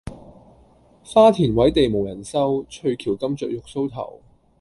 花鈿委地無人收，翠翹金雀玉搔頭。